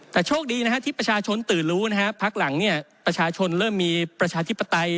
แต่โชคดีนะฮะที่ประชาชนตื่นรู้นะฮะพักหลังเนี่ยประชาชนเริ่มมีประชาธิปไตย